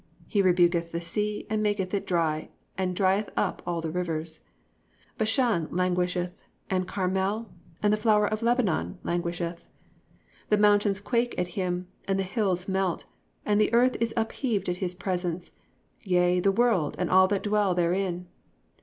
(4) He rebuketh the sea, and maketh it dry, and drieth up all the rivers: Bashan languisheth, and Carmel and the flower of Lebanon languisheth. (5) The mountains quake at him, and the hills melt; and the earth is upheaved at his presence, yea, the world, and all that dwell therein.